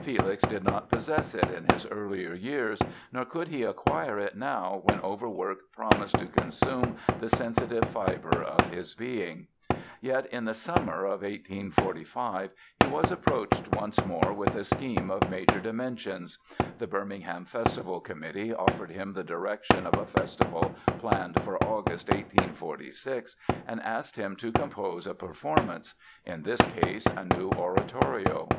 Felix did not possess it in his earlier years, nor could he acquire it now when overwork promised to consume the sensitive fibre of his being. Yet in the summer of 1845 he was approached once more with a scheme of major dimensions. The Birmingham Festival Committee offered him the direction of a festival planned for August, 1846, and asked him to "compose a performance"—in this case, a new oratorio.